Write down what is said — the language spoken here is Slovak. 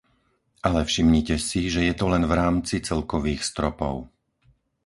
Ale všimnite si, že je to len v rámci celkových stropov.